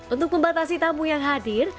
untuk membatasi tamu yang hadir